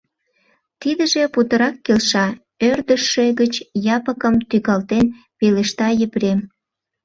— Тидыже путырак келша, — ӧрдыжшӧ гыч Япыкым тӱкалтен, пелешта Епрем.